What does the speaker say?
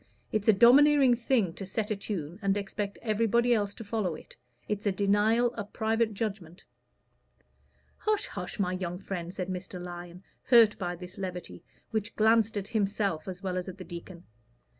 It's a domineering thing to set a tune and expect everybody else to follow it. It's a denial of private judgment." "Hush, hush, my young friend," said Mr. Lyon, hurt by this levity, which glanced at himself as well as at the deacon.